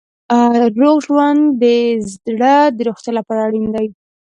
روغ ژوند د زړه د روغتیا لپاره اړین دی.